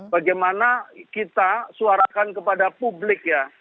bagaimana kita suarakan kepada publik ya